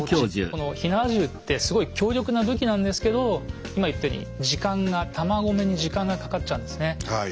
この火縄銃ってすごい強力な武器なんですけど今言ったように時間が弾込めに時間がかかっちゃうんですね。